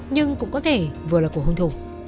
nhưng cũng có thể vừa là của hùng thủ